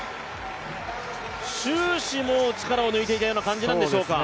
終始力を抜いていたような感じなんでしょうか。